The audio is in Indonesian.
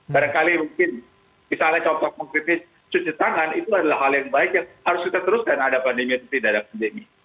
barangkali mungkin misalnya kalau orang orang kritis cuci tangan itu adalah hal yang baik yang harus kita teruskan ada pandemi yang tidak ada pandemi